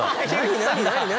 何？